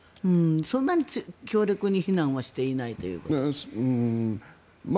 そんなに強力に非難はしていないということですか。